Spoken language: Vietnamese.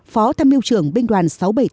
phó tham mưu trưởng binh đoàn sáu trăm bảy mươi tám